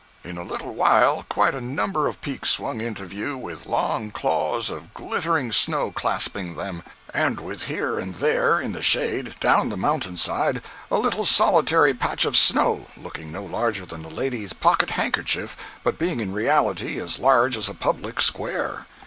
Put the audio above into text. In a little while quite a number of peaks swung into view with long claws of glittering snow clasping them; and with here and there, in the shade, down the mountain side, a little solitary patch of snow looking no larger than a lady's pocket handkerchief but being in reality as large as a "public square."